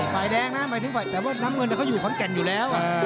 ฝ่ายแดงนะแต่ว่าน้ำเงินเขาอยู่ขนแก่นอยู่แล้ว